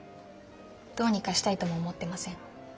どうにかしたいとも思ってません。